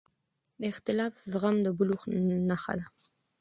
د اختلاف زغم د بلوغ نښه ده